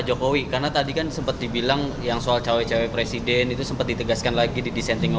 jokowi hanya mengucapkan terima kasih